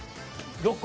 ６個。